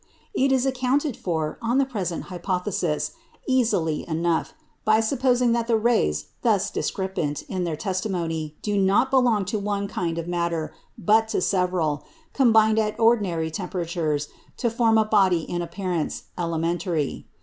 It is accounted for, on the present hypothesis, easily enough, by supposing that the rays thus discrepant in their testimony, do not belong to one kind of matter, but to several, combined at ordinary temperatures to form a body in appearance "elementary."